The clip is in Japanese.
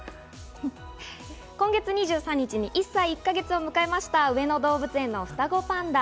今月２３日に１歳１か月を迎えました上野動物園の双子パンダ。